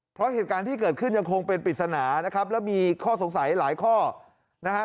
เพราะเหตุการณ์ที่เกิดขึ้นยังคงเป็นปริศนานะครับแล้วมีข้อสงสัยหลายข้อนะฮะ